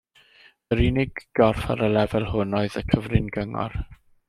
Yr unig gorff ar y lefel hwn oedd y Cyfrin-gyngor.